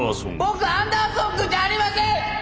僕アンダーソンくんじゃありません！